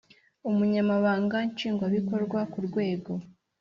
Umunyamabanga Nshingwabikorwa ku rwego